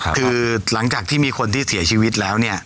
คือหลังจากที่มีคนที่เสียชีวิตแล้วเนี่ย